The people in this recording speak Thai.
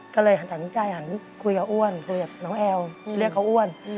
ก็เลยหันใจหันคุยกับอ้วนคุยกับน้องแอลที่เรียกเขาอ้วน